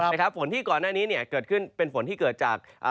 ฝนที่ก่อนหน้านี้เนี่ยเกิดขึ้นเป็นฝนที่เกิดจาก